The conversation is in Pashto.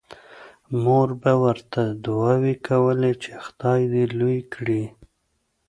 مور به ورته دعاوې کولې چې خدای دې لوی کړي